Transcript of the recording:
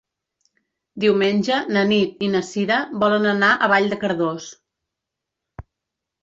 Diumenge na Nit i na Sira volen anar a Vall de Cardós.